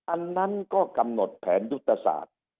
อันนั้นก็กำหนดแผนยุทธศาสตร์